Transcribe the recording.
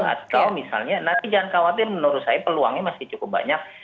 atau misalnya nanti jangan khawatir menurut saya peluangnya masih cukup banyak